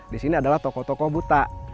disini adalah tokoh tokoh buta